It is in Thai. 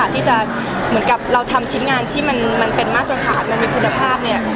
ที่จะเหมือนกับเราทำชิ้นงานที่มันเป็นมาตรฐานมันมีคุณภาพ